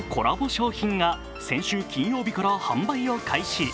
商品が先週金曜日から販売を開始。